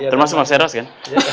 termasuk mas eros kan